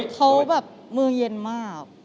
เขาแบบมือเย็นมาก